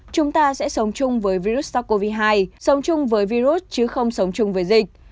chúng ta sẽ sống chung với virus sars cov hai sống chung với virus chứ không sống chung với dịch